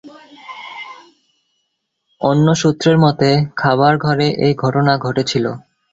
অন্য সূত্রের মতে, খাবার ঘরে এই ঘটনা ঘটেছিল।